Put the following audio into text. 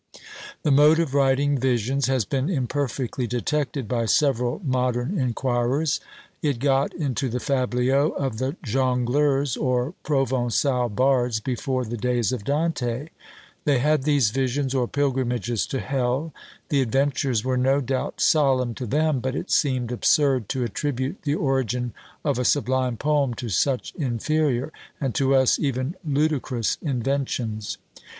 The mode of writing visions has been imperfectly detected by several modern inquirers. It got into the Fabliaux of the Jongleurs, or Provençal bards, before the days of Dante; they had these visions or pilgrimages to Hell; the adventures were no doubt solemn to them but it seemed absurd to attribute the origin of a sublime poem to such inferior, and to us even ludicrous, inventions.